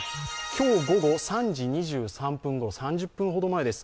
今日午後３時２３分ごろ３０分ほど前です